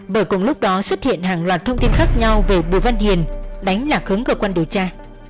bởi cùng lúc đó xuất hiện hàng loạt thông tin khác nhau về bùi văn hiền đánh lạc hứng cơ quan điều tra